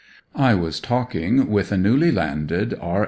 I was talking with a newly landed R.